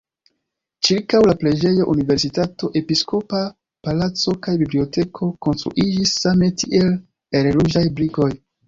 Ĉirkaŭ la preĝejo universitato, episkopa palaco kaj biblioteko konstruiĝis same tiel el ruĝaj brikoj.